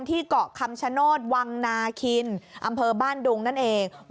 เกาะคำชโนธวังนาคินอำเภอบ้านดุงนั่นเอง